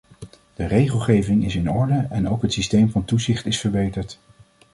De regelgeving is in orde en ook het systeem van toezicht is verbeterd.